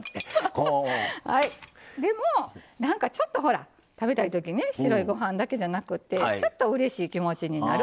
でもちょっと食べたいとき白いご飯だけじゃなくてちょっとうれしい気持ちになる。